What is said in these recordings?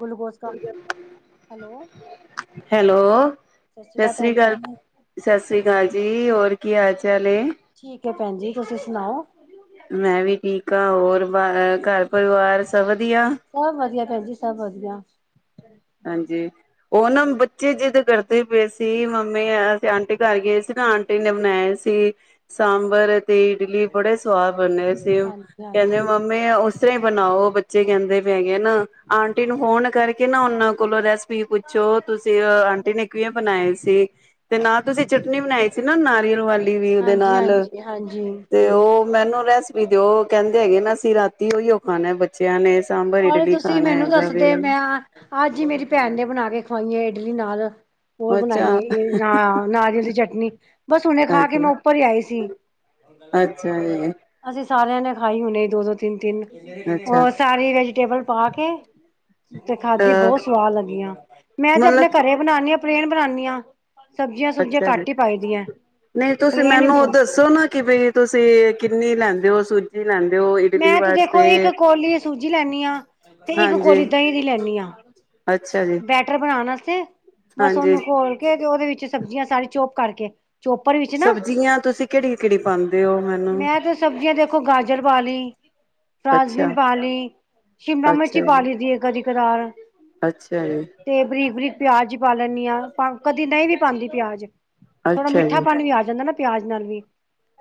Glucose ਦਾ hello hello ਸ਼੍ਰੀ ਸਤਿ ਸ੍ਰੀ ਭੈਣ ਜੀ ਅਕਾਲ ਜੀ ਸਤਿ ਸ੍ਰੀ ਅਕਾਲ ਜੀ ਹੋਰ ਕੀ ਹਾਲ ਚਾਲ ਏ [unintelligible] ਮੈਂ ਵੀ ਠੀਕ ਹਾਂ ਹੋਰ ਘਰ ਪਰਿਵਾਰ ਸਭ ਵਧੀਆ? ਸਭ ਵਧੀਆ ਭੈਨਜੀ ਸਭ ਵਧੀਆ। ਹਾਂਜੀ। ਉਹ ਨਾ ਬੱਚੇ ਜਿੱਦ ਕਰਦੇ ਪਏ ਸੀ ਮੰਮੀ, ਅਸੀਂ ਆਂਟੀ ਘਰ ਗਏ ਸੀ [unintelligible] ਆਂਟੀ ਨੇ ਬਣਾਏ ਸੀ ਸਾਂਬਰ ਤੇ ਇਡਲੀ ਬੜੇ ਸਵਾਦ ਬੰਨੇ ਸੀ ਹਾਂਜੀ ਹਾਂਜੀ ਕਹਿੰਦੇ ਮੰਮੀ ਓਥੇ ਬਣਾਓ ਬੱਚੇ ਕਹਿੰਦੇ ਹੈਗੇ ਨਾ ਆਂਟੀ ਨੂੰ ਫੋਨ ਕਰ [unintelligible] [unintelligible] ਵੀ ਪੁੱਛੋ ਤੁਸੀਂ, ਆਂਟੀ ਨੇ ਕਿਵੇਂ ਬਣਾਏ ਸੀ? ਤੇ ਨਾਲ ਤੁਸੀਂ ਚਟਨੀ ਬਣਾਈ ਸੀ ਨਾ ਨਾਰੀਅਲ ਵਾਲੀ ਵੀ ਉਹਦੇ ਹਾਂਜੀ ਨਾਲ ਹਾਂਜੀ ਹਾਂਜੀ ਤੇ ਉਹ ਮੈਨੂੰ ਰੇਸਪੀ ਵੀ ਦਿਓ, ਕਹਿੰਦੇ ਹੈਗੇ ਨਾ ਅਸੀਂ ਰਾਤੀ ਓਯੋ ਖਾਣਾ ਬੱਚਿਆਂ ਨੇ ਸਾਂਬਰ ਅਰੇ ਇਡਲੀ ਤੁਸੀਂ ਖਾਣਾ ਮੈਨੂੰ ਹੈਗਾ ਦੱਸਦੇ, ਵੇ ਮੈਂ ਅੱਜ ਜੀ ਮੇਰੀ ਭੈਣ ਨੇ ਬਣਾ ਕੇ ਖਵਾਈਯਾ ਇਡਲੀ ਨਾਲ ਹੋਰ ਅੱਛਾ, ਬਣਾਈਏ ਇਹ ਨਾ ਨਾਰੀਅਲ ਦੀ ਚੱਟ ਨੀ। ਬਸ ਹੁਣੇ ਖਾ ਕੇ ਅੱਛਾ, ਮੈਂ ਉੱਪਰ ਹੀ ਆਈ ਸੀ। ਅੱਛਾ ਜੀ, ਅਸੀਂ ਸਾਰਿਆਂ ਨੇ ਹਾਈ ਹੁਣੇ ਦੋ-ਦੋ ਤਿੰਨ-ਤਿੰਨ। ਅੱਛਾ ਉਹ ਸਾਰੀ ਟੇਬਲ ਪਾ ਕੇ, ਤੇ ਖਾਧੀ ਅ ਬਹੁਤ ਸਵਾਦ ਲੱਗੀਆ। ਮੈਂ ਜੇ ਮਤਲਬ ਆਪਣੇ ਘਰੇ ਬਣਾਨੀ ਪਲੇਨ ਬਣਾਨੀ ਆ ਸਬਜ਼ੀਆਂ ਸੁਬਜ਼ੀਆਂ ਅੱਛਾ ਜੀ। ਘੱਟ ਹੀ ਪਾਈ ਦੀਆਂ ਨਹੀਂ, ਤੁਸੀਂ ਪਲੇਨ ਹੀ ਮੈਨੂੰ ਉਹ ਦੱਸੋ ਨਾ ਕਿ ਬਈ ਤੁਸੀਂ ਕਿੰਨੀ ਲੈਂ ਤੇ ਉਹ ਸੂਜੀ ਲੈਂਦੇ ਹੋ ਇਡਲੀ ਮੈਂ ਤੇ ਵਾਸਤੇ ਦੇਖੋ, ਇੱਕ ਕੋਲੀ ਸੂਜੀ ਲੈਨੀ ਹਾਂ ਤੇ ਇੱਕ ਹਾਂਜੀ, ਕੋਲੀ ਦਹੀਂ ਦੀ ਲੈਨੀ ਹਾਂ, ਅੱਛਾ ਜੀ, ਬੈਟਰ ਬਣਾਣ ਵਾਸਤੇ। ਬਸ ਹਾਂਜੀ। ਉਹਨੂੰ ਘੋਲ ਕੇ ਤੇ ਉਹਦੇ ਵਿੱਚ ਸਬਜ਼ੀਆਂ ਸਾਰੀ ਚੋਪ ਕਰਕੇ ਚੋਪਰ ਵਿੱਚ ਨਾ ਸਬਜ਼ੀਆਂ ਤੁਸੀਂ ਕਿਹੜੀ-ਕਿਹੜੀ ਪਾਉਂਦੇ ਹੋ? ਮੈਨੂੰ ਖਾਲੀ ਫਰਾਸਬੀਨ ਅੱਛਾ, ਪਾ ਲਈ, ਸ਼ਿਮਲਾ ਮਿਰਚੀ ਅੱਛਾ ਪਾ ਜੀ, ਲਈ ਦੀ ਕਦੀ ਕਦਾਰ ਅੱਛਾ ਜੀ, ਤੇ ਬਰੀਕ ਬਰੀਕ ਪਿਆਜ ਪਾ ਲੈਂਨੀ ਹਾਂ, ਕਦੀ ਨਹੀਂ ਵੀ ਪਾਉਂਦੀ ਪਿਆਜ। ਥੋੜਾ ਅੱਛਾ ਮਿੱਠਾ ਜੀ, ਪਾਣੀ ਵੀ ਆ ਜਾਂਦਾ ਨਾ ਪਿਆਜ ਨਾਲ ਵੀ।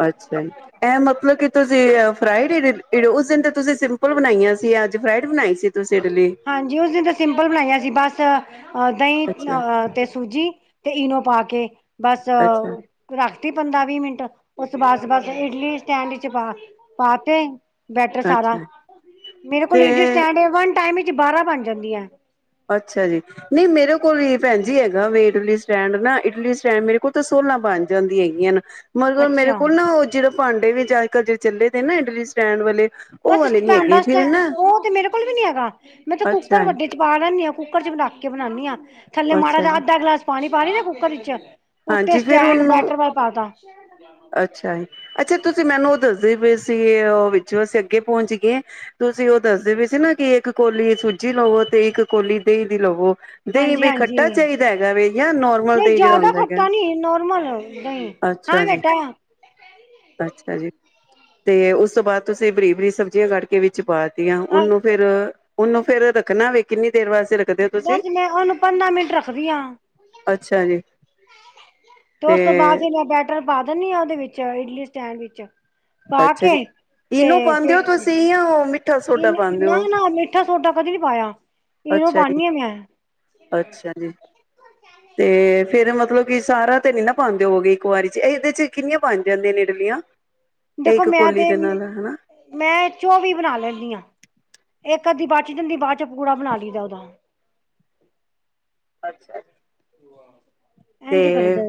ਅੱਛਾ ਜੀ, ਇਹ ਮਤਲਬ ਕਿ ਤੁਸੀ ਅ ਫਰਾਈਡ ਇਡਲੀ। ਉਸ ਦਿਨ ਤੇ ਤੁਸੀਂ ਸਿੰਪਲ ਬਣਾਈਆਂ ਸੀ, ਅੱਜ ਫਰਾਈਡ ਬਣਾਈ ਸੀ? ਤੁਸੀਂ ਇਡਲੀ ਹਾਂਜੀ ਉਸ ਦਿਨ ਤੇ ਸਿੰਪਲ ਬਣਾਈਆ ਸੀ, ਬਸ ਅ ਦਹੀਂ ਅੱਛਾ, ਅ ਤੇ ਸੂਜੀ। ਤੇ ਇਨੋ ਪਾ ਕੇ। ਬਸ, ਅੱਛਾ। ਰੱਖ ਪੰਦਰਾਂ ਵੀਹ ਮਿੰਟ, ਉਸਤੋਂ ਬਾਅਦ ਬਸ-ਬਸ ਇਡਲੀ ਸਟੈਂਡ ਵਿੱਚ ਪਾ ਪਾ ਤੇ। ਬੈਟਰ ਸਾਰਾ। ਅੱਛਾ, ਮੇਰੇ ਕੋਲ ਤੇ ਇਡਲੀ ਸਟੈਂਡ ਏ, ਵਨ ਟਾਈਮ ਚ ਚ ਬਾਰਾਂ ਬਣ ਜਾਂਦੀਆਂ। ਅੱਛਾ ਜੀ, ਨਹੀਂ ਮੇਰੇ ਕੋਲ ਹੀ ਭੈਣ ਜੀ ਹੈਗਾ ਵੇ ਇਡਲੀ ਸਟੈਂਡ ਨਾ ਇਡਲੀ ਸਟੈਂਡ। ਮੇਰੇ ਕੋਲ ਤਾਂ ਸੋਲਾਂ ਬਣ ਜਾਂਦੀਆਂ ਹੈਗੀਆਂ ਨ। ਮਗਰ ਮੇਰੇ ਅੱਛਾ ਕੋਲ ਨਾ ਉਹ ਜਿੜ ਭਾਂਡੇ ਵੀ ਜੇ ਅੱਜ ਕੱਲ ਜੇ ਚੱਲੇ ਦੇ ਨਾ ਇਡਲੀ ਸਟੈਂਡ ਵਾਲੇ, ਉਹ ਬਸ ਵਾਲੇ ਨੀ ਢੰਗ ਹੈਗੇ ਦਾ ਫਿਰ ਸਟੈਂਡ, ਨਾ ਉਹ ਤੇ ਮੇਰੇ ਕੋਲ ਵੀ ਨੀ ਹੈਗਾ। ਮੈਂ ਤੇ ਕੁੱਕਰ ਅੱਛਾ ਜੀ, ਵੱਡੇ ਚ ਪਾ ਲੈਂਦੀ ਆ, ਕੁ ਕੁੱਕਰ ' ਚ ਰੱਖ ਕੇ ਬਨਾਨੀ ਹਾਂ ਥੱਲੇ ਮਾੜਾ ਅੱਛਾ ਜਿਹਾ, ਜੀ ਅੱਧਾ ਗਲਾਸ ਪਾਣੀ ਪਾਣੀ ਦੇ ਕੁੱਕਰ 'ਚ ਉੱਥੇ ਹਾਂਜੀ ਫਿਰ ਸਟੈਂਡ ਉਹਨੂੰ ਬੈਟਰ ਵੱਲ ਪਾ ਤਾ। ਅੱਛਾ ਜੀ, ਅੱਛਾ ਤੁਸੀਂ ਮੈਨੂੰ ਉਹ ਦੱਸ ਦੱਸਦੇ ਪਏ ਸੀ, ਉਹ ਵਿੱਚੋਂ ਅਸੀਂ ਅੱਗੇ ਪਹੁੰਚ ਗਏ, ਤੁਸੀਂ ਉਹ ਦੱਸਦੇ ਪਏ ਸੀ ਨਾ ਕਿ ਇੱਕ ਕੋੌਲੀ ਸੂਜੀ ਲਵੋ ਤੇ ਇੱਕ ਕੋੌਲੀ ਦਹੀਂ ਦੀ ਲਵੋ ਦਹੀਂ ਹਾਂਜੀ ਬਈ ਹਾਂਜੀ ਖੱਟਾ ਚਾਹੀਦਾ ਹੈਗਾ ਵੇ ਜਾਂ ਨੋਰਮਲ ਨਹੀਂ ਦਹੀਂ ਜਿਹੜਾ ਜ਼ਿਆਦਾ ਹੁੰਦਾ ਹੈਗਾ? ਖੱਟਾ ਨੀ ਨੋਰਮਲ ਨਹੀਂ ਹਾਂ ਅੱਛਾ ਜੀ। ਬੇਟਾ ਅੱਛਾ, ਹਾਂਜੀ, ਤੇ ਉਸ ਤੋਂ ਬਾਅਦ ਤੁਸੀਂ ਬਰੀਕ-ਬਰੀਕ ਸਬਜ਼ੀਆਂ ਕੱਟ ਕੇ ਵਿੱਚ ਪਾ ਤੇ ਆ, ਉਹਨੂੰ ਫੇਰ ਉਹਨੂੰ ਫੇਰ ਰੱਖਣਾ ਵੇ, ਕਿੰਨੀ ਦੇਰ ਵਾਸਤੇ ਰੱਖ ਬਸ ਮੈਂ ਉਹਨੂੰ ਪੰਦਰਾਂ ਮਿੰਟ ਰੱਖਦੀ ਆਂ, ਅੱਛਾ ਜੀ ਤੇ ਉਸ ਤੋਂ ਬਾਅਦ ਫਿਰ ਮੈਂ ਬੈਟਰ ਪਾ ਦਿੰਦੀ ਹਾਂ ਉਹਦੇ ਵਿੱਚ। ਚ ਇਡਲੀ ਸੈਂਡਵਿਚ। ਅੱਛਾ ਜੀ, ਇਹਨੂੰ ਪਾਦੇ ਹੋ ਫਿਰ ਤੁਸੀਂ ਆ ਉਹ ਮਿ ਮਿੱਠਾ ਸੋਡਾ ਪਾਦੇ ਨਾ ਹੋ? ਨਾ ਮਿੱਠਾ ਸੋਡਾ ਕਦੀ ਨਹੀਂ ਪਾਇਆ। ਇਨੋ ਅੱਛਾ ਜੀ, ਪਾਉਦੀ ਹਾਂ ਮੈਂ ਅੱਛਾ ਜੀ। ਤੇ ਫੇਰ ਮਤਲਬ ਕਿ ਸਾਰਾ ਤੇ ਨੀ ਨਾ ਪਾਦੇ ਹੋਵੋਗੇ ਇੱਕ ਵਾਰੀ ਚ, ਇਹਦੇ ਚ ਕਿੰਨੀਆਂ ਬਣ ਜਾਂਦੀਆਂ ਨੇ ਇਡਲੀਆਂ? ਇਹ ਦੇਖੋ ਇੱਕ ਮੈਂ ਕੋਲੀ ਤੇ, ਦੇ ਨਾਲ ਹਨਾ ਮੈਂ ਚੋਵੀ ਬਣਾ ਲੈਂਦੀ ਆਂ ਇੱਕ ਕਦੀ ਬੱਚ ਜਾਂਦੀ, ਬਾਅਦ ਚ ਪੂੜਾ ਬਣਾ ਲਈਦਾ ਉਹਦਾ। ਅੱਛਾ, ਐੰਜ ਈ ਭਰੀ ਤੇ ਦਾ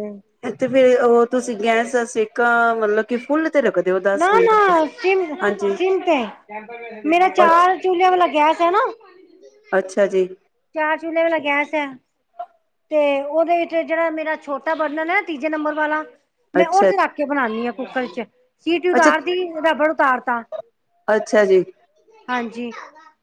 ਤੇ ਫੇਰ ਉਹ ਤੁਸੀਂ ਏ, ਗੈਸ ਦਾ ਸੇਕਾ ਮਤਲਬ ਕਿ ਫੁੱਲ ਤੇ ਰੱਖਦੇ ਹੋ ਨਾ ਦਸ ਮਿੰਟ ਨਾ ਵਾਸਤੇ ਸਿਮ ਹਾਂਜੀ ਸਿਮ ਤੇ ਮੇਰਾ ਅੱਛ ਚਾਰ ਚੁਲੇ ਵਾਲਾ ਗੈਸ ਤੇਨਾ ਅੱਛਾ ਜੀ। ਚੂਲੇ ਵਾਲਾ ਗੈਸ ਹੈ। ਤੇ ਔਦੇ ਵਿੱਚ ਜੇੜਾ ਮੇਰਾ ਛੋਟਾ ਬਰਨਣ ਹੈ ਤੀਜੇ ਨੰਬਰ ਵਾਲਾ। ਮੈਂ ਅੱਛਾ, ਔਦੇ ਤੇ ਰਖ ਕੇ ਬਣਾਣੀ ਆਂ। ਕੁੂੱਕਰ ਇਚ। ਸੀਟੀ ਅੱਛਾ, ਉਤਾਰਦੀ ਰਬੜ ਤਾਰ ਤਾਂ ਅੱਛਾ ਜੀ। ਹਾਂਜੀ।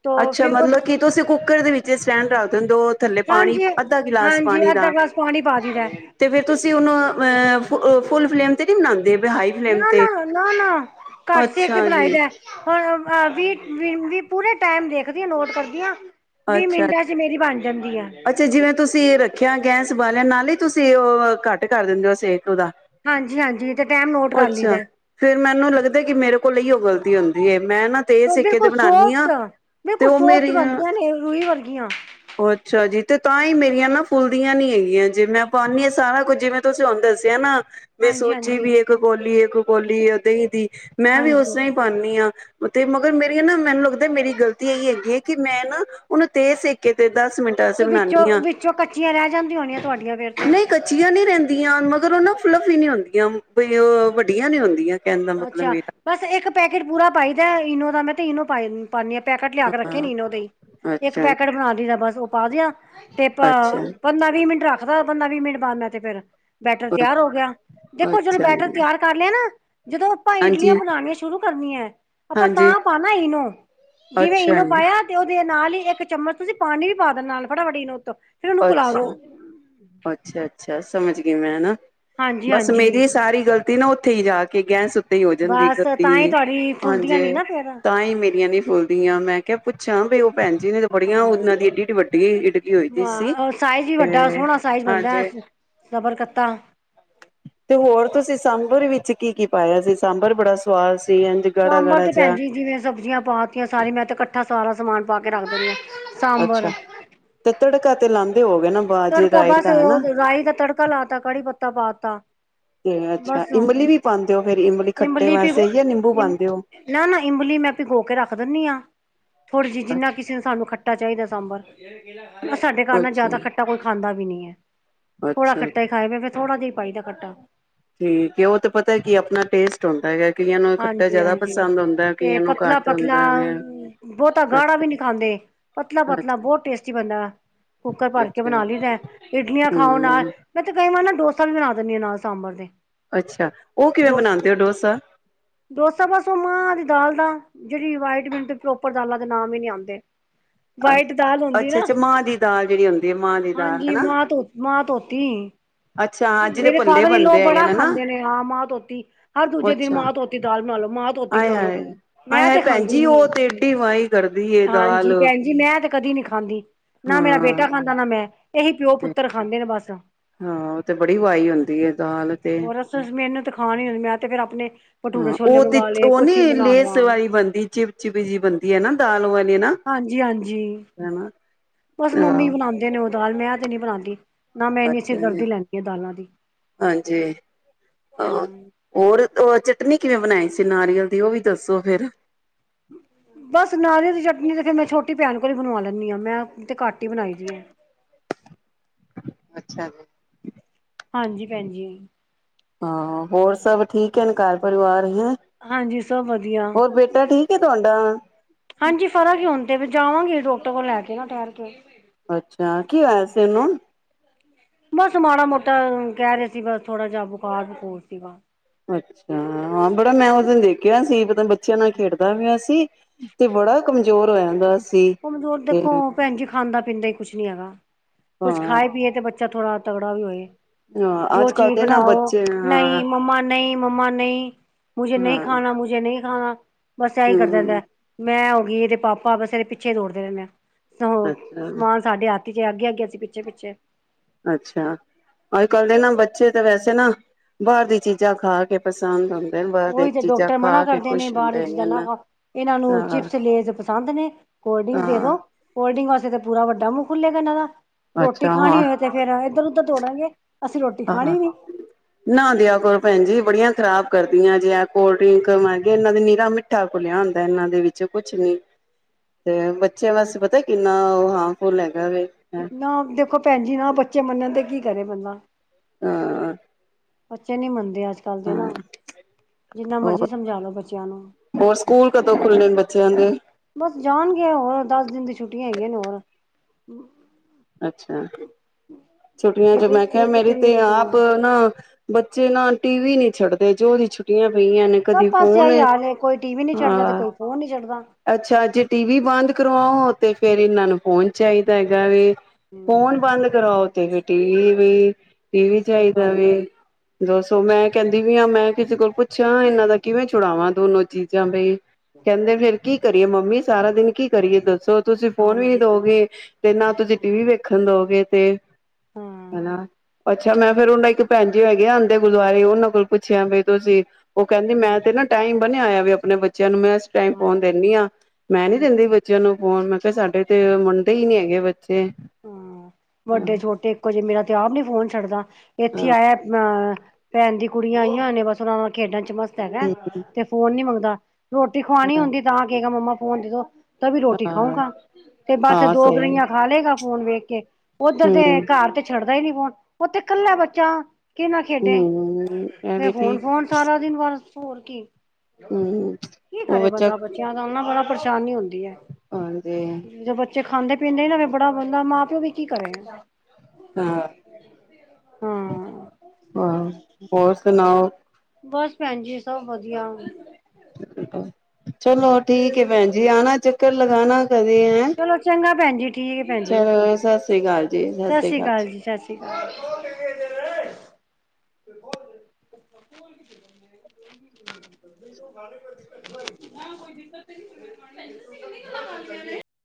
ਤੋ ਅੱਛਾ, ਫਿਰ ਉਹ ਮਤਲਬ ਕੀ ਤੁਸੀਂ ਕੁ ਕੁੱਕਰ ਦੇ ਵਿੱਚ ਸਟੈਂਡ ਰੱਖ ਦਿੰਦੇ ਔ ਥੱਲੇ ਪਾਣੀ ਹਾਂਜੀ ਅੱਧਾ ਗਿਲਾਸ ਹਾਂਜੀ ਪਾਣੀ ਅੱਧਾ ਦਾ ਗਲਾਸ ਪਾਣੀ ਪਾ ਦਈਦਾ ਤੇ ਫੇਰ ਤੁਸੀਂ ਉਨੂੰ ਅਹ ਫੁਲ ਫਲੇਮ ਤੇ ਨੀ ਬਨਾਂਦੇ। ਨਾ-ਨਾ-ਨਾ-ਨਾ-ਨਾ ਘੱਟ ਸੇਕ ਤੇ ਅੱਛਾ ਬਣਾਈ ਜੀ, ਦੈ ਹ ਅ ਵੀ ਵੀ ਪੂਰੇ ਟੈਮ ਦੇਖਦੀ ਆਂ ਨੋਟ ਕਰਦੀ ਆਂ। ਅੱਛਾ-ਅੱਛਾ, ਜਿਵੇਂ ਤੁਸੀਂ ਰੱਖਿਆ ਗੈਸ ਬਾਲਿਆ ਨਾਲੇ ਤੁਸੀਂ ਅਹ ਘੱਟ ਕਰ ਦਿੰਦੇ ਔ ਸੇਕ? ਕਿਦਾ? ਹਾਂਜੀ-ਹਾਂਜੀ ਤੇ ਟਾਈਮ ਨੋਟ ਕਰ ਅੱਛਾ, ਲਈਦਾ। ਫੇਰ ਮੈਨੂੰ ਲੱਗਦੈ ਕਿ ਮੇਰੇ ਕੋਲ ਅਈਔ ਗ਼ਲਤੀ ਹੁੰਦੀ ਏ, ਮੈਂ ਨਾ ਤੇਜ ਸੇਕ ਤੇ ਬਿਲਕੁਲ ਬਣਾਂਣੀ ਆਂ ਸੋਫਟ ਤੇ ਬਿਲਕੁਲ ਔ ਸੋਫਟ ਮੇਰੀ ਅ ਬਣਦੀਆਂ ਨੇ ਰੂਈ ਵਰਗੀਆਂ। ਹਜੀ ਤੇ ਤਾਂ ਈ ਮੇਰੀਆਂ ਨਾ ਫੁੱਲਦੀਆਂ ਨੀ ਹੈਗੀਆਂ ਜੇ ਮੈਂ ਪਾਣੀ ਆ ਸਾਰਾ ਕੁੱਝ ਜਿਵੇਂ ਤੁਸੀਂ ਹੁਣ ਦੱਸਿਆ ਨਾ ਮੈਂ ਸੋਚੀ ਹਾਂਜੀ-ਹਾਂਜੀ, ਵੀ ਏਕ ਕੋਲੀ ਏਕ ਕੋਲੀ ਦੀਐ, ਦਹੀਂ ਦੀ ਮੈਂ ਵੀ ਹਾਂਜੀ ਔਸ ਹਾਂਜੀ ਤਰ੍ਹਾਂ ਈ ਪਾਣੀ ਆਂ, ਤੇ ਮਗਰ ਮੇਰੀਆ ਨਾ ਮੈਨੂੰ ਲੱਗਦਾ ਮੇਰੀ ਗਲਤੀ ਐਹੀ ਹੈਗੀ ਏ ਕਿ ਮੈਂ ਨਾ ਉਨੂੰ ਤੇਜ਼ ਸੇਕੇ ਤੇ ਦਸ ਮਿੰਟਾਂ ਅਸੇ ਤੇ ਵਿੱਚੋਂ ਬਣਾਣੀ ਆਂ ਵਿੱਚੋਂ ਕੱਚੀਆਂ ਰਹਿ ਜਾਂਦੀਆਂ ਹੋਣੀਆਂ ਤੁਹਾਡੀਆਂ ਫੇਰ ਤੇ ਨਹੀਂ ਕੱਚੀਆਂ ਨੀ ਰੈੰਦੀਆਂ ਮਗਰ ਔਨਾਂ ਫਲਫੁ ਨੀ ਹੁੰਦੀਆਂ। ਬਈ ਔ ਵੱਡੀਆਂ ਨੀ ਹੁੰਦੀਆਂ। ਕਹਿਣ ਦਾ ਮਤਲਬ ਅੱਛਾ, ਮੇਰਾ ਬਸ ਏਕ ਪੈਕੇਟ ਪੂਰਾ ਪਾਈਦੈ ਇਨੋ ਦਾ ਮੈਂ ਤੇ ਇਨੋ ਪਾਏ ਪਾਣੀ ਆਂ ਪੈਕਟ ਲਿਆ ਕੇ ਰੱਖੇ ਨੇ ਹਾਂ ਇਨੋ ਦੇ ਈ, ਇੱਕ ਅੱਛਾ ਪੈਕਟ ਬਣਾ ਦੀਦੈ ਬਸ। ਔ ਪਾ ਦੇਆ। ਤੇ ਪ ਅੱਛਾ ਪੰਦਰਾਂ ਵੀਹ ਮਿੰਟ ਰੱਖ ਪੰਦਾ-ਵੀਹ ਮਿੰਟ ਬਾਦ ਮੈਂ ਤੇ ਫੇਰ ਬੈਟਰ ਤਿਆਰ ਹੋ ਗਿਆ। ਦੇਖੋ, ਜ ਅੱਛਾ ਬੈਟਰ ਜੀ, ਤਿਆਰ ਕਰ ਲਿਆ ਨਾ ਜਦੋਂ ਆਪਾਂ ਇਡਲੀਆਂ ਹਾਂਜੀ ਬਣਾਣੀਆਂ ਸ਼ੁਰੂ ਕਰਨੀਆਂ, ਆਪਾਂ ਹਾਂਜੀ ਤਾਂ ਪਾਣਾ ਇਨੋ ਜਿਵੇਂ ਅੱਛਾ ਇਨੂੰ ਜੀ ਪਾਇਆ ਤੇ ਦੇ ਨਾਲ ਹੀ ਇੱਕ ਚਮਚ ਤੁਸੀਂ ਪਾਣੀ ਵੀ ਪਾ ਦ ਨਾਲ ਫਟਾਫਟ ਉੱ ਫਿਰ ਉਹਨੂੰ ਘੁਲਾ ਦੋ ਅੱਛਾ, ਅੱਛਾ ਸਮਝ ਗਈ ਮੈਂ ਹਨਾ ਹਾਂਜੀ ਬਸ ਹਾਂਜੀ ਮੇਰੀ ਸਾਰੀ ਗਲ ਤੀ ਨਾ ਉੱਥੇ ਹੀ ਜਾ ਕੇ ਗੈਸ ਓ ਬਸ ਤਾਂ ਹੀ ਤੁਹਾਡੀ [unintelligible] ਫੁੱਲਦੀਆਂ ਨੀ ਹਾਂਜੀੇ, ਨਾ ਫੇਰ ਤਾਂ ਹੀ ਮੇਰੀਆਂ ਨੀ ਬੋਲਦੀ ਆ। ਮੈਂ ਕਿਹਾ ਪੁੱਛਾਂ ਬਈ ਉਹ ਭੈਣਜੀ ਨੇ ਤਾਂ ਬੜੀਆਂ, ਹਾਂ ਉਹਨਾਂ ਦੀ ਡੀ ਐਡੀ ਵੱਡੀ ਇਡਲੀ ਹੋਈ ਦੀ ਸੀ ਸਾਈਜ਼ ਵੀ ਤੇ ਵੱਡਾ ਸੋਹਣਾ ਸਾਈਜ਼ ਬਣਦਾ ਹਾਂਜੀ ਸਬਰ ਕੱਤਾ ਤੇ ਹੋਰ ਤੁਸੀਂ ਸਾਂਬਰ ਵਿੱਚ ਕੀ ਕੀ ਪਾਇਆ ਸੀ? ਸਾਂਬਰ ਬੜਾ ਸੁਵਾਦ ਸਾਂਬਰ ਤੇ ਭੈਣਜੀ ਜਿਵੇਂ ਸਬਜ਼ੀਆਂ ਪਾਤੀਆਂ ਸਾਰੀ। ਮੈਂ ਤੇ ਕੱਠਾ ਸਾਰਾ ਸਮਾਨ ਵ ਪਾ ਕੇ ਰੱਖਦੇ ਨੇ ਅੱਛਾ। ਤੇ ਤੜਕਾ ਤੇ ਲ ਲਾਉਂਦੇ ਹੋਵੋਗੇ ਤੜਕਾ ਬਸ ਰਾਈ ਦਾ ਤੜਕਾ ਲਾ ਤਾ, ਕੜੀ ਪੱਤਾ ਪਾ ਤਾ। ਤੇ ਬਸ ਅੱਛਾ ਇਮਲੀ ਵੀ ਪਾਂਦੇ ਹੋ ਫੇਰ ਖੱਟੇ ਇਮਲੀ ਪਿ ਵਾਸਤੇ ਜਾਂ ਨਿੰਬੂ ਇਮ ਪਾਂਦੇ ਹੋ ਨਾ ਨਾ, ਇਮਲੀ ਮੈਂ ਵੀ ਗੋ ਕੇ ਰੱਖ ਦਿੰਨੀ ਹਾਂ, ਥੋੜ੍ਹੀ ਜਿਹੀ, ਜਿੰਨਾ ਕਿਸੇ ਨੇ ਸਾਨੂੰ ਖੱਟਾ ਚਾਹੀਦਾ ਸਾਂਬਰ ਸਾਡੇ ਕਾਰ ਨਾਲ ਜ਼ਿਆਦਾ ਖੱ ਖਾਂਦਾ ਵੀ ਨਹੀਂ ਹੈ। ਥੋੜਾ ਅੱਛਾ-ਅੱਛਾ ਖੱਟਾ ਹੀ ਖਾਏ ਫ ਥੋੜ੍ਹਾ ਦੇ ਪਾਈਦਾ ਖੱਟਾ ਠੀਕ ਏ। ਉਹ ਤੇ ਪਤਾ ਕੀ ਆਪਣਾ ਟੇਸਟ ਹੁਣ ਤਾਂ ਹਾਂਜੀ, ਹਾਂਜੀ, ਤੇ ਨੂੰ ਘੱਟ ਪਤਲਾ-ਪਤਲਾ ਹੁੰਦਾ ਵੇ ਬਹੁਤਾ ਗਾੜਾ ਅੱਛਾ ਵੀ ਨੀ ਖਾਂਦੇ। ਪਤਲਾ-ਪਤਲਾ ਅੱਛਾ ਬਹੁਤ ਟੇਸਟੀ ਬਣਦਾ। ਕੁੱਕਰ ਭਰ ਕੇ ਅੱਛਾ ਬਣਾ ਲਈਦਾ, ਇਡਲੀਆਂ ਖਾਓ ਨਾਲ, ਹਮ ਮੈਂ ਤੇ ਕਈ ਵਾਰ ਨਾ ਡੋਸ ਵੀ ਬਣਾ ਦਿੰਦੀ ਹਾਂ ਨਾਲ ਸਾਂਬਰ ਦੇ ਅੱਛਾ। ਉਹ ਕਿਵੇਂ ਡੋਸ ਬਣਾਂਦੇ ਹੋ ਡੋਸਾ? ਡੋਸਾ ਬਸ ਉਹ ਮਾਂ ਦੀ ਦਾਲ ਦਾ। ਜਿਹੜੀ ਪ੍ਰੋਪਰ ਦਾਲਾਂ ਦੇ ਨਾਮ ਹੀ ਨੀ ਆਂਦੇ ਵਾਈਟ ਦਾਲ ਹੁੰਦੀ ਅੱਛਾ ਨਾ, ਅੱਛਾ ਮਾਂ ਦੀ ਦਾਲ ਜਿਹੜੀ ਹੁੰਦੀ ਹੈ ਮਾਂ ਦੀ ਦਾਲ ਹਾਂਜੀ, ਹਨਾ ਮਾਂ ਧੋ ਮਾਂ ਧੋਤੀ ਅੱਛਾ ਹਾਂ ਜਿਹਦੇ ਮੇਰੇ ਭੱਲੇ ਫਾਦਰ ਇਨ ਲੋ ਬਣਦੇ ਹੈਗੇ ਬੜਾ ਨਾ ਖਾਂਦੇ ਨੇ। ਹਾਂ ਮਾਂ ਧੋਤੀ ਹਰ ਦੂਜੇ ਦਿਨ ਅੱਛਾ ਮਾਂ ਧੋਤੀ। ਧੋ ਦਾਲ ਬਣਾ ਲੋ। ਮਾਹਾ ਧੋਤੀ ਆਏ ਬਣਾ ਲੋ। ਹਾਏ ਆਏ ਮੈਂ ਹਾਏ ਤੇ ਭੈਣ ਖਾਂਦੀ ਜੀ ਨੀ ਉਹ ਤੇ ਏਡੀ ਵਾਈ ਕਰਦੀ ਏ ਦਾਲ ਹਾਂਜੀ ਭੈਣ ਜੀ ਮੈਂ ਤੇ- ਕਦੀ ਨੀ ਖਾਂਦੀ। ਨਾ ਮੇਰਾ ਹਾਂ ਬੇਟਾ ਖਾਂਦਾ ਨਾ ਮੈਂ। ਏਹੀ ਪਿਓ ਤੇ ਪੁੱਤਰ ਖਾਂਦੇ ਨੇ ਬਸ। ਹਾਂ ਓ ਤੇ ਬੜੀ ਵਾਈ ਹੁੰਦੀ ਏ ਦਾਲ ਤੇ। ਹੋਰ ਅਸ ਮੈਨੂੰ ਤੇ ਖਾਣ ਹੀ ਮੈਂ ਤੇ ਫੇਰ ਆਪਣੇ ਭਟੂਰੇ ਹਾਂ ਛੋਲੇ ਓ ਤੇ ਮੰਗਵਾ ਲਏ ਓ ਕੁਛ ਵੀ ਨੀ ਬਣਾ ਲੇਸ ਲਿਆ ਵਾਲੀ ਬਣਦੀ ਚਿਪਚਿਪੀ ਜਿਈ ਬਣਦੀ ਏ ਨਾ ਦਾਲ ਓ। ਹਾਂਜੀ -ਹਾਂਜੀ। ਬਸ ਮੰਮੀ ਆਹ ਬਣਾਂਦੇ ਨੇ। ਦਾਲ ਮੈਂ ਤੇ ਨੀ ਬਣਾਂਦੀ। ਅੱਛਾ ਜੀ। ਹਾਂਜੀ -ਆਹ ਹਮ ਹੋਰ ਚਟ- ਚਟਣੀ ਕਿਵੇਂ ਬਣਾਈ ਸੀ ਨਾਰੀਅਲ ਦੀ। ਓ ਵੀ ਦੱਸੋ ਫੇਰ। ਬਸ ਨਾਰੀਅਲ ਦੀ ਚਟਨੀ ਤੇ ਫੇਰ ਮੈਂ ਛੋਟੀ ਭੈਣ ਕੋਲ ਈ ਬਣਵਾ ਲੈਂਦੀ ਆਂ। ਮੈਂ ਤੇ ਘਟ ਈ ਬਣਾਈ ਦੀ ਏ। ਅੱਛਾ ਜੀ ਹਾਂਜੀ ਭੈਣਜੀ। ਹਾਂ ਹੋਰ ਸਭ ਠੀਕ ਹੇਨ ਘਰ ਪਰਿਵਾਰ। ਹਾਂਜੀ ਸਭ ਵਧੀਆ ਹੋਰ ਬੇਟਾ ਠੀਕ ਤੁਹਾਡਾ ਹਾਂਜੀ, ਫਰਕ ਏ ਹੁਣ ਤੇ ਜਾਵਾਂਗੀ ਡੋਕਟਰ ਕੋ ਲੈ ਕੇ ਨਾ ਠੈਰ ਕੇ। ਅੱਛਾ, ਕੀ ਹੋਇਆ ਸੀ ਏਨੂ? ਬਸ-ਮਾੜਾ ਮੋਟਾ ਕਹਿ ਰਹੇ ਸੀ ਬਸ ਥੋੜਾ ਜਿਹਾ ਬੁਖਾਰ-ਬੁਖੂਰ ਸੀਗਾ। ਅੱਛਾ। ਹਾਂ, ਬੜਾ ਮੈਂ ਉਸ ਦਿਨ ਦੇਖ ਕਿਆ ਸੀ ਪਤੇ ਨੀ ਬਚ ਤੇ ਬੱਚਿਆਂ ਨਾਲ ਖੇਡਦਾ ਪਿਆ ਸੀ ਤੇ ਬੜਾ ਕਮਜ ਜ਼ੋਰ ਹੋਇਆ ਦਾਸੀ। ਕਮਜ਼ੋਰੀ ਦੇਖੋ ਭੈਣ ਜੀ ਖਾਂਦਾ-ਪੀਂਦਾ ਈ ਕੁਛ ਨੀ ਹੈਗਾ। ਕੁੱਛ ਹਾਂ ਖਾਏ-ਪੀਏ ਤੇ ਬੱਚੇ- ਬੱਚਾ ਥੋੜਾ ਤਗੜਾ ਵੀ ਹੋਏ। ਹਾਂ, ਜੋ ਅੱਜ-ਕੱਲ ਚੀਜ਼ ਦੇ ਨਾ ਬਣਾਓ ਬੱਚੇ ਹਾਂ ਨਹੀਂ ਮੰਮਾ ਨਹੀਂ ਮੰਮਾ ਨਹੀ। ਮੁਝੇ ਨਹੀ ਹਾਂ ਖਾਣਾ, ਮੁਝੇ ਨਹੀ ਹਾਂ। ਬਸ ਐਹੀ ਕਰਦਾ ਹਮ ਰਹਿੰਦਾ, ਮੈਂ ਓ ਵੀ ਤੇ ਪਾਪਾ ਬਸ ਏਦੇ ਪਿਛ ਪਿੱਛੇ ਦੌੜਦੇ ਰਹਿੰਦੇ ਆ। ਸ ਅੱਛਾ ਸਮਾਨ ਸਾਡੇ ਹੱਥ ਜੇ ਅੱਗੇ-ਅੱਗੇ, ਅਸ਼ੀ ਪਿੱਛੇ-ਪਿੱਛੇ ਅੱਛਾ, ਅੱਜ-ਕੱਲ ਦੇ ਨਾ ਬੱਚੇ ਤਾਂ ਵੈਸੇ ਨਾ ਬਾਹਰ ਦੀ ਚੀਜ਼ਾਂ ਖਾ ਕੇ ਪਸੰਦ ਆਦੀ ਉਹੀ ਤੇ ਡਾਕਟਰ ਮਨਾ ਕਰਦੇ ਨੇ, ਬਾਹਰ ਦੀ ਚੀਜ਼ਾਂ ਨਾ ਖਾਓ ਇਹਨਾਂ ਨੂੰ ਹਾਂ ਚਿਪਸ-ਲੇਸ ਪਸੰਦ ਨੇ ਕੋਲਡ ਡਰਿੰਕ ਦੇ ਹਾਂ ਦੋ ਕੋਲਡ ਡਰਿੰਕ ਵਸਤੇ ਤੇ ਪੂਰਾ ਵੱਡਾ ਮੂੰਹੁੱ ਖੁੱਲੇਗਾ ਇਹਨਾਂ ਦਾ। ਰੋਟੀ ਅੱਛਾ ਖਾਣੀ ਹੋਵੇ ਤੇ ਫੇਰ ਇੱਧਰ-ਉਧਰ ਦੋੜਨਗੇ। ਆਹ ਨਾ ਦਿਆ ਕਰੋ ਭੈਣ ਜੀ ਬੜੀਆਂ ਖ਼ਰਾਬ ਕਰਦੀਆਂ ਜੇ ਕੋਲਡ ਡਰਿੰਕ ਮੈਂਗੀ ਇਹਨਾਂ ਦੇ ਨੀਰਾ ਮਿੱਠਾ ਘੂਲਿਆ ਹੁੰਦਾ, ਇਹਨਾਂ ਦੇ ਵਿੱਚ ਕੁਛ ਨੀ, ਤੇ ਬੱਚਿਆਂ ਵਾਸਤੇ ਪਤਾ ਕਿੰਨਾ ਉਹ ਹਾਰਮਫੁੱਲ ਹੈਗਾ ਵੇ। ਹਾਂ ਨਾ ਦੇਖੋ ਭੈਣ ਜੀ ਨਾ ਬੱਚੇ ਮੰਨਣ ਤੇ ਕਿ ਕਰੇ ਬੰਦਾ। ਹਾਂ। ਬੱਚੇ ਨੀ ਮੰਨਦੇ ਅਜ ਅੱਜ-ਕੱਲ ਦੇ ਨਾ ਜਿੰਨਾ ਮਰਜ਼ੀ ਹੋਰ ਸਮਝਾਲੋ ਬੱਚਿਆਂ ਨੂੰ। ਜਾਂਦੇ ਹੋਏ। ਬਸ ਜਾਣਗੇ ਹੋਰ, ਦਸ ਦਿਨ ਦੀ ਛੁੱਟੀਆਂ ਹੈਗੀਆਂ ਨੇ ਹੋਰ‌। ਅੱਛਾ, ਛੁੱਟੀਆਂ ਚ ਇੱਕ ਮੈਂ ਕਿਹਾ ਇੱਕ ਮੇਰੀ ਤੇ ਤਰੀਕ ਤੋਂ ਆਪ ਨਾ ਬੱਚੇ ਨਾ ਟੀ ਵੀ ਨੀ ਛੱਡਦੇ ਜੋਂ ਦੀਆਂ ਛੁੱਟੀਆਂ ਪਈਆਂ ਨੇ ਸਭ ਕਦੇ ਪਾਸੇ ਫੋਨ ਆਹੀ ਕਦੀ ਹਾਲ ਏ ਕੋਈ ਟੀ ਵੀ ਨੀ ਛੱਡਦਾ ਤੇ ਹਾਂ, ਕੋਈ ਫੋਨ ਨੀ ਛੱਡਦਾ ਅੱਛਾ ਜੇ ਟੀ ਵੀ ਬੰਦ ਕਰਵਾਓ ਤੇ ਫੇਰ ਇਹਨਾਂ ਨੂੰ ਫ਼ੋਨ ਚਾਹੀਦਾ ਹੈਗਾ ਵੇ। ਹੂੰ ਫੋਨ ਬੰਦ ਕਰਾਓ ਤੇ ਫੇ [unintelligible] ਟੀਵੀ ਇਹ ਵੀ ਸਹੀ ਚਾਹੀਦਾ ਗੱਲ ਹੈ ਵੇ, ਦੱਸੋ ਮੈਂ ਕਹਿੰਦੀ ਵੀ ਹਾਂ ਮੈਂ ਕਿਸੇ ਕੋਲ ਪੁੱਛਿਆ ਇਹਨਾਂ ਦਾ ਕਿਵੇਂ ਛੁੜਾਵਾਂ ਦੋਨੋ ਚੀਜ਼ਾਂ ਬਈ ਕਹਿੰਦੇ ਫੇਰ ਕੀ ਕਰੀਏ, ਮੰਮੀ ਸਾਰਾ ਦਿਨ ਕੀ ਕਰੀਏ, ਹੂੰ ਦੱਸੋ ਤੁਸੀਂ ਫੋਨ ਵੀ ਨੀ ਹਾਂਜੀ ਹਾਂ ਦੋਗੇ, ਤੇ ਨਾ ਤੁਸੀਂ ਟੀ ਵੀ ਵੇਖਣ ਦਓਗੇ, ਤੇ ਹਾਂ ਹਨਾ ਅੱਛਾ ਮੈਂ ਫੇਰ ਉਹਨਾਂ ਇੱਕ ਭੈਣ ਜੀ ਹੈਗੇ ਆਉਂਦੇ ਗੁਰੁਆਰੇ ਉਹਨਾਂ ਕੋਲ ਪੁੱਛਿਆ ਬ ਤੁਸੀਂ, ਉਹ ਕਹਿੰਦੀ ਮੈਂ ਤੇ ਨਾ ਟਾਈਮ ਬਨੇਆ ਹੋਇਆ ਵੇ ਬੱਚਿਆਂ ਨੂੰ ਮੈਂ ਇਸ ਟਾਈਮ ਫੋਨ ਹਾਂ ਦਿੰਨੀ ਹਾਂ। ਮੈਂ ਨੀ ਦਿੰਦੀ ਬੱਚਿਆਂ ਨੂੰ ਫੋਨ, ਮੈਂ ਕਿਹਾ ਸਾਡੇ ਤੇ ਮਨਦੇ ਹੀ ਨੀ ਹੈਗੇ ਬੱਚੇ ਹਾਂ ਵੱਡੇ ਛੋਟੇ ਇੱਕੋ ਜਿਹੇ ਮੇਰਾ ਤੇ ਆਪ ਨੀ ਫੋਨ ਛੱਡਦਾ ਇੱਥੇ ਹਾਂ ਆਇਆ ਭੈਣ ਦੀ ਕੁੜੀਆਂ ਆਈਆਂ [unintelligible] ਬਸ ਉਹਨਾਂ ਚ ਖੇਡਣ ਚ ਮਸਤ ਹੈਗਾ ਤੇ ਫੋਨ ਨੀ ਮੰਗਦਾ ਰੋਟੀ ਖਵਾਉਣੀ ਹੁੰਦੀ ਤਾਂ ਕੀ ਮੰਮਾ [unintelligible] ਫੋਨ ਦੇ ਦੋ ਤਬੀ ਰੋਟੀ ਹਾਂ ਖਾਊਗਾ, ਤੇ ਬਸ ਹਾਂ ਦੋ ਸਹੀ ਗ੍ਰਹੀਆਂ ਖਾ ਲੇਗਾ ਫੋਨ ਵੇਖ ਕੇ ਉੱਧਰ ਦੇ ਹਮ ਘਰ ਤੇ ਛੱਡ [inaudible] ਉੱਥੇ ਕੱਲਾ ਬੱਚਾ ਹੂੰ ਐਵੇਂ ਹੁਨ ਫੋਨ ਸਾਰਾ ਦਿਨ ਬੱਸ ਹੋਰ ਕੀ ਹਮ ਕੀ ਉਹ ਕਰੇ ਬੱਚਾ ਬੰਦਾ ਬੱਚਿਆਂ ਦਾ [inaudible] ਪਰੇਸ਼ਾਨੀ ਹੁਨ [inaudible] ਹੁੰਦੀ ਹੈ ਹਾਂਜੀ ਜੇ ਬੱਚਾ ਦੇ ਖਾਂਦੇ ਪੀਂਦੇ ਨਾ [inaudible] ਬੜਾ ਬੰਦਾ ਮਾਂ ਪਿਓ ਵੀ ਕੀ ਕਰੇ ਹ, ਹਾਂ ਹੋਰ ਸੁਨਾਓ ਬਸ ਭੈਨ ਜੀ, ਸਭ ਵਧੀਆ ਚਲੋ ਠੀਕ ਏ ਭੈਣ ਜੀ ਜੇ ਆਣਾ ਚੱਕਰ ਲਗਾਨਾ [inaudible] ਚਲੋ ਚੰਗਾ ਭੈਣ ਜੀ ਠੀਕ ਹੈ ਭੈਣ ਜੀ ਚਲੋ ਸਤਿ ਸ੍ਰੀ ਕਾਲ ਜੀ, ਸਤਿ ਸ੍ਰੀ ਕਾਲ ਜੀ। [unintelligible]